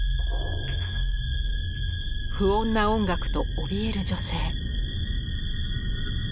不穏な音楽とおびえる女性。